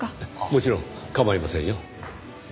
もちろん構いませんよ。